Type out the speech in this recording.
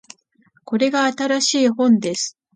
これが新しい本です